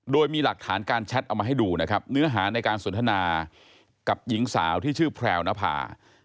โดยมีหลักฐานการแชทเอามาให้ดูนะครับเนื้อหาในการสนทนากับหญิงสาวที่ชื่อแพรวนภา